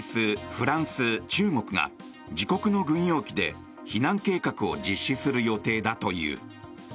フランス、中国が自国の軍用機で避難計画を実施する予定だという。